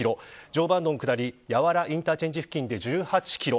常磐道下り谷和原インターチェンジ付近で１８キロ